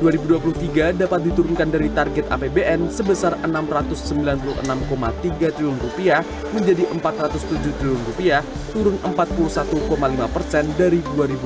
pembiayaan utang tahun dua ribu dua puluh tiga dapat diturunkan dari target apbn sebesar rp enam ratus sembilan puluh enam tiga triliun menjadi rp empat ratus tujuh triliun turun empat puluh satu lima dari dua ribu dua puluh dua